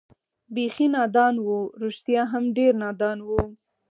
بېخي نادان و، رښتیا هم ډېر نادان و.